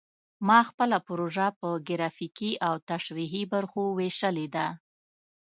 ما خپله پروژه په ګرافیکي او تشریحي برخو ویشلې ده